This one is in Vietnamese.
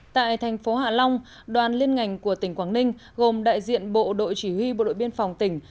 tại thành phố hạ long đoàn liên ngành của tỉnh quảng ninh gồm đại diện bộ đội chỉ huy bộ đội biên phòng tỉnh